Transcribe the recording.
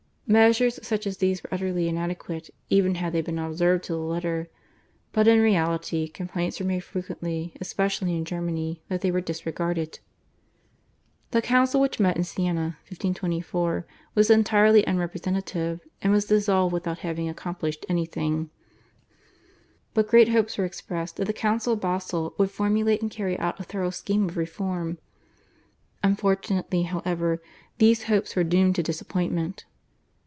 Measures such as these were utterly inadequate even had they been observed to the letter, but in reality complaints were made frequently, especially in Germany, that they were disregarded. The Council which met in Siena (1524) was entirely unrepresentative, and was dissolved without having accomplished anything. But great hopes were expressed that the Council of Basle would formulate and carry out a thorough scheme of reform. Unfortunately, however, these hopes were doomed to disappointment.